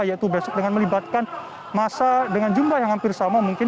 yaitu besok dengan melibatkan masa dengan jumlah yang hampir sama mungkin